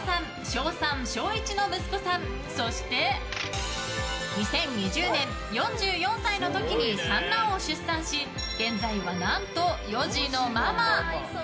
小３、小１の息子さんそして、２０２０年４４歳の時に、三男を出産し現在は何と４児のママ。